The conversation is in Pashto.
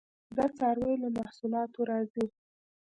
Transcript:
د څارویو له محصولاتو راځي